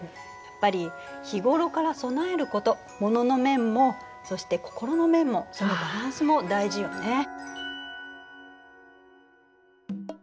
やっぱり日頃から備えること物の面もそして心の面もそのバランスも大事よね。